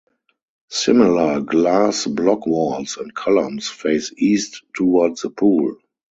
Similar glass block walls and columns face east toward the pool.